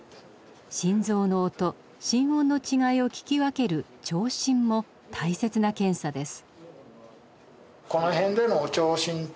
心臓の音心音の違いを聞き分ける聴診も大切な検査です。